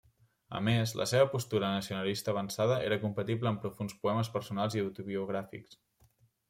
A més, la seva postura nacionalista avançada era compatible amb profunds poemes personals i autobiogràfics.